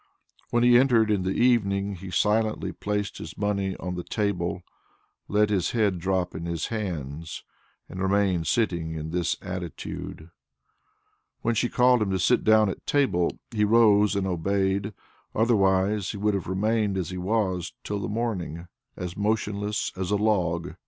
When he entered in the evening he silently placed his money on the table, let his head drop in his hands, and remained sitting in this attitude. When she called him to sit down at table, he rose and obeyed, otherwise he would have remained as he was till the morning, as motionless as a log.